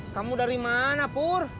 kamu dari mana pur